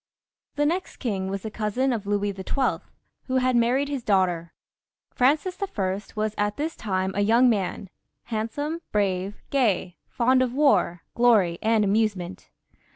The next king was the cousin of Louis XII., who had married his daughter. Francis I. was at this time a young man — ^handsome, brave, gay, fond of war, glory, and apiuse ment.